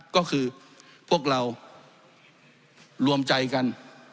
ก็คือพวกเรารวมใจกัน